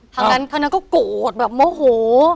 ทางนั้นก็โกรธแบบโมโห